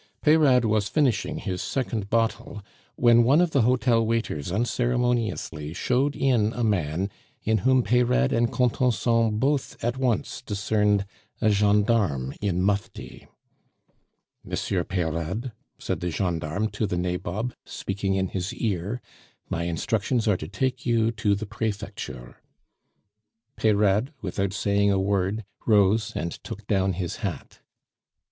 Peyrade was finishing his second bottle when one of the hotel waiters unceremoniously showed in a man in whom Peyrade and Contenson both at once discerned a gendarme in mufti. "Monsieur Peyrade," said the gendarme to the nabob, speaking in his ear, "my instructions are to take you to the Prefecture." Peyrade, without saying a word, rose and took down his hat.